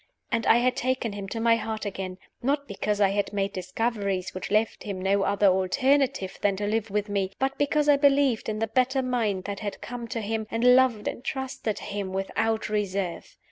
And I had taken him to my heart again not because I had made discoveries which left him no other alternative than to live with me, but because I believed in the better mind that had come to him, and loved and trusted him without reserve.